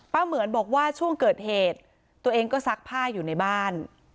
เหมือนบอกว่าช่วงเกิดเหตุตัวเองก็ซักผ้าอยู่ในบ้าน